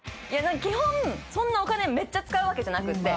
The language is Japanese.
基本そんなお金めっちゃ使うわけじゃなくて。